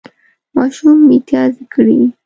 ماشوم متیازې کړې